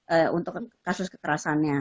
ee untuk kasus kekerasannya